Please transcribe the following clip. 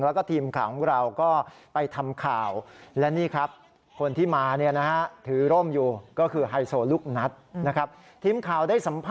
แล้วก็ทีมข่าวของเราก็ไปทำข่าว